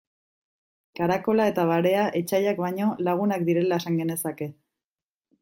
Karakola eta barea etsaiak baino lagunak direla esan genezake.